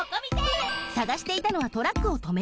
さがしていたのはトラックをとめるばしょ。